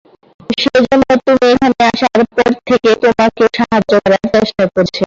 সেজন্য তুমি এখানে আসার পর থেকে তোমাকে ও সাহায্য করার চেষ্টা করছে।